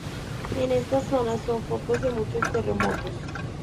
En esta zona, son focos de muchos terremotos.